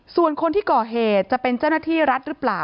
ส่วนคนที่ก่อเหตุจะเป็นเจ้าหน้าที่รัฐหรือเปล่า